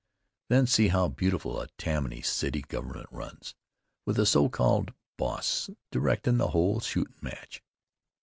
Then see how beautiful a Tammany city government runs, with a so called boss directin' the whole shootin' match!